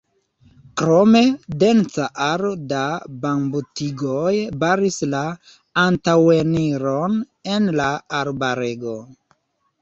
Krome densa aro da bambutigoj baris la antaŭeniron en la arbarego.